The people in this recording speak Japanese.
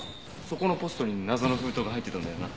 そこのポストに謎の封筒が入ってたんだよな。